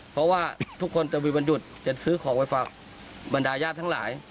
เพราะว่าทุกคนจะบิวัณหยุดจะซื้อของไว้ฟังบรรดายาทั้งหลาย